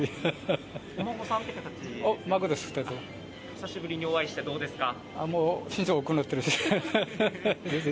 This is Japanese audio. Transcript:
久しぶりにお会いしてどうですか？